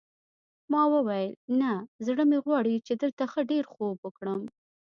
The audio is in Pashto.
ما وویل نه زړه مې غواړي چې دلته ښه ډېر خوب وکړم.